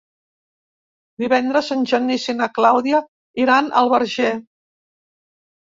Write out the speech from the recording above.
Divendres en Genís i na Clàudia iran al Verger.